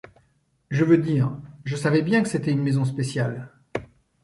Je veux dire… je savais bien que c’était une maison spéciale.